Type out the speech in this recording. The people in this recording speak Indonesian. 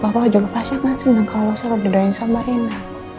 papa juga pas ya kan senang kalau selalu doain sama rina